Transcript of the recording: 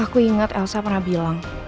aku ingat elsa pernah bilang